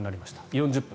４０分。